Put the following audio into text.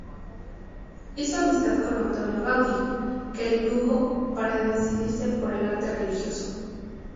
Hizo amistad con Antoni Gaudí, que le indujo para decidirse por el arte religioso.